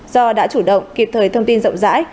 do đã chủ động kịp thời thông tin rộng rãi